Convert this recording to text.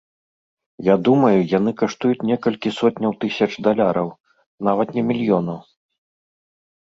Я думаю, яны каштуюць некалькі сотняў тысяч даляраў, нават не мільёнаў.